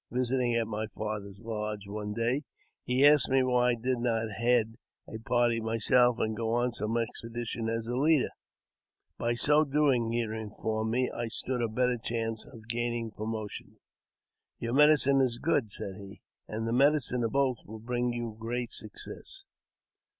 Visiting at my father's.] lodge one day, he asked me why I did not head a party my self, and go on some expedition as leader. By so doing, he informed me, I stood a better chance of gaining promotion. *' Your medicine is good," said he, " and the medicine of both will bring you great success."